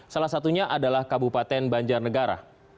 salah satunya adalah kabupaten banjarnegara